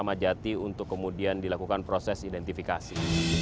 sepatunya bapak kenali sekali